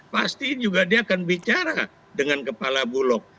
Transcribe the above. pasti juga dia akan bicara dengan kepala bulog